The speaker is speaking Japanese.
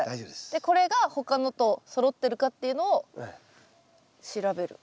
でこれが他のとそろってるかっていうのを調べる。